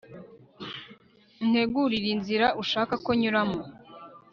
untegurire inzira ushaka ko nyuramo